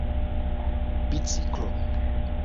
biciklo